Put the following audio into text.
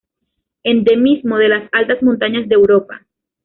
Endemismo de las altas montañas de Europa.